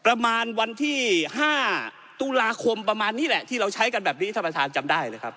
ประมาณวันที่๕ตุลาคมประมาณนี้แหละที่เราใช้กันแบบนี้ท่านประธานจำได้เลยครับ